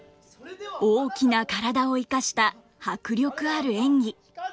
大きな体を生かした迫力ある演技。